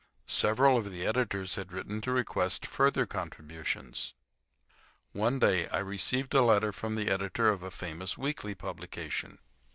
Several of the editors had written to request further contributions. One day I received a letter from the editor of a famous weekly publication.